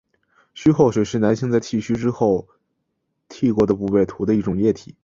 须后水是男性在剃须之后于剃过的部位涂的一种液体。